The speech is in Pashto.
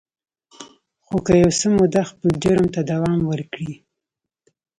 خو که یو څه موده خپل جرم ته دوام ورکړي